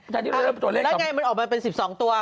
ถ้าที่เราเลือกตัวเลขต่อมาแล้วไงมันออกมาเป็น๑๒ตัว